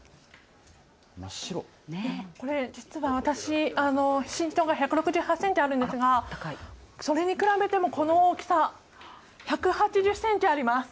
これ実は私身長が１６８センチあるんですがそれに比べてもこの大きさ１８０センチあります。